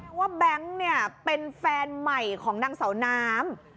แปลว่าแบงค์เป็นแฟนใหม่ของนางสาวน้ำ